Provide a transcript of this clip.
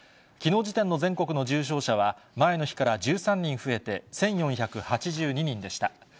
きのう時点の全国の重症者は、前の日から１３人増えて１４８２人でした。